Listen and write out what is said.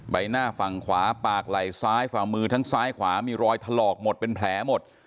ใบหน้าฝั่งขวาปากไหล่ซ้ายฝั่งมือทั้งซ้ายขวามีรอยถลอกหมดเป็นแผลหมด